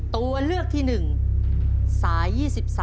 ตัวเลือกที่๑สาย๒๓